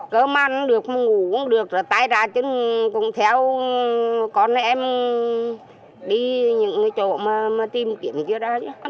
cơm ăn được ngủ cũng được tay ra chứ cũng theo con em đi những chỗ mà tìm kiếm kia ra chứ